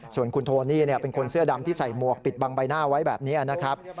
ส่วนคุณโทนี่เป็นคนเสื้อดำที่ใส่หมวกปิดบังใบหน้าไว้แบบนี้นะครับ